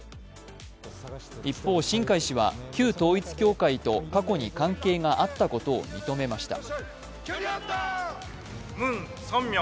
一方、新開氏は旧統一教会と過去に関係があったことを認めました。